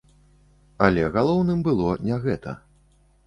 Але галоўным было не гэта.